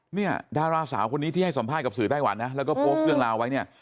เนี่ยดาราสาวคนนี้ที่ให้สัมภาษณ์กับสื่อไต้หวันนะแล้วก็โพสต์เรื่องราวไว้เนี่ย